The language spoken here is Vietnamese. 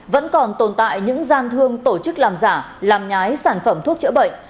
vẫn còn tồn tại những gian thương tổ chức làm giả làm nhái sản phẩm thuốc chữa bệnh